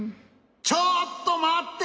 ちょっとまって！